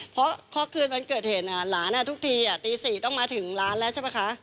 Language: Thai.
เพราะคืนวันเกิดเหตุหลานทุกทีตี๔ต้องมาถึงร้านแล้วใช่ไหมคะ